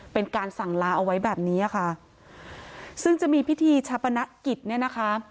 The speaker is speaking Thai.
เป็นการสั่งลาเอาไว้แบบนี้ค่ะซึ่งจะมีพิธีชาปนกิจเนี่ยนะคะ